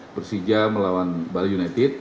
persija melawan balai united